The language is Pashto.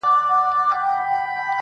دا د جرګو دا د وروریو وطن!!